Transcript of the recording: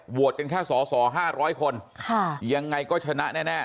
กันแค่สอสอ๕๐๐คนยังไงก็ชนะแน่